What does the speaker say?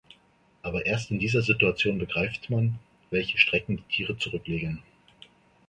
Aber erst in dieser Situation begreift man, welche Strecken die Tiere zurücklegen.